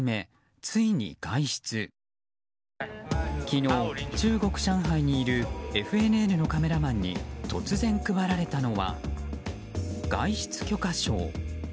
昨日、中国・上海にいるＦＮＮのカメラマンに突然配られたのは、外出許可証。